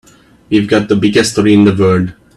We've got the biggest story in the world.